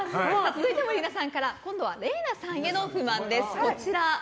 続いてもＬＩＮＡさんから今度はＲＥＩＮＡさんへの不満です。